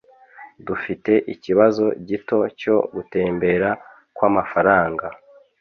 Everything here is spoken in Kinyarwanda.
Dufite ikibazo gito cyo gutembera kw'amafaranga